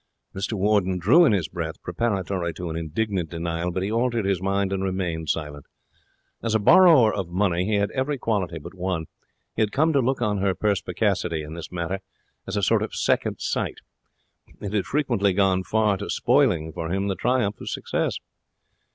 Mr Warden drew in his breath, preparatory to an indignant denial, but he altered his mind and remained silent. As a borrower of money he had every quality but one. He had come to look on her perspicacity in this matter as a sort of second sight. It had frequently gone far to spoiling for him the triumph of success.